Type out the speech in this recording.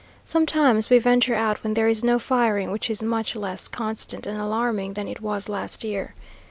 Sometimes we venture out when there is no firing, which is much less constant and alarming than it was last year.